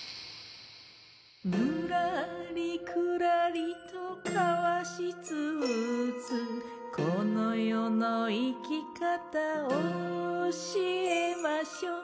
「ぬらりくらりとかわしつつ」「この世の生き方教えましょ」